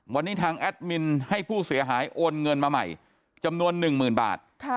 วันนี้ทางแอดมินให้ผู้เสียหายโอนเงินมาใหม่จำนวน๑๐๐๐บาท